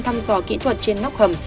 thăm dò kỹ thuật trên nóc hầm